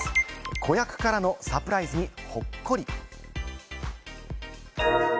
子役からのサプライズにほっこり。